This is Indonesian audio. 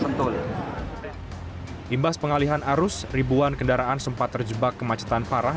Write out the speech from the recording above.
nimbas pengalihan arus ribuan kendaraan sempat terjebak ke macetan parah